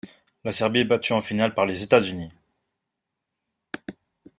La Serbie est battue en finale par les États-Unis.